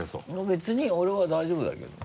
別に俺は大丈夫だけどね。